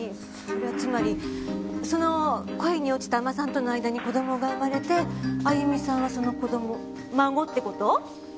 それはつまりその恋に落ちた海女さんとの間に子供が生まれて歩美さんはその子供孫って事？